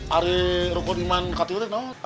hari rukun iman katilin noh